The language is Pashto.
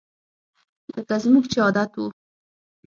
لکه زموږ چې عادت وو